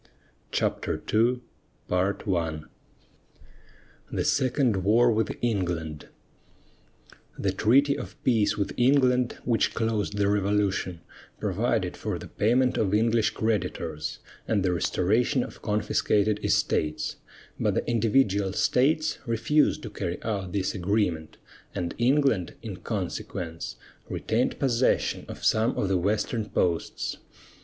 CHAPTER II THE SECOND WAR WITH ENGLAND The treaty of peace with England which closed the Revolution provided for the payment of English creditors and the restoration of confiscated estates, but the individual states refused to carry out this agreement, and England, in consequence, retained possession of some of the Western posts.